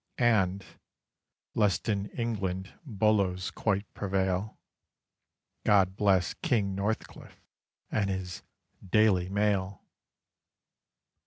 And lest in England Bolos quite prevail God bless King Northcliffe and his "Daily Mail!"